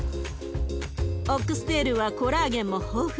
オックステールはコラーゲンも豊富。